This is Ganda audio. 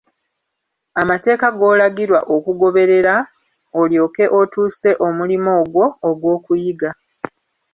Amateeka g'olagirwa okugoberera olyoke otuuse omulimo ogwo ogw'okuyiga.